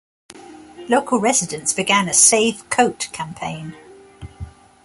Local residents began a "Save Coate" campaign.